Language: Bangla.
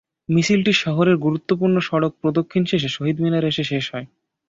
মিছিলটি শহরের গুরুত্বপূর্ণ সড়ক প্রদক্ষিণ শেষে শহীদ মিনারে এসে শেষ হয়।